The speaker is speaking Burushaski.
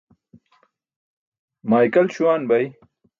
Maykal śuwan bay